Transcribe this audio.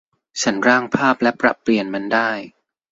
ฉันร่างภาพและปรับเปลี่ยนมันได้